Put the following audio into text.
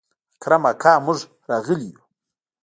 اکرم اکا موږ راغلي يو.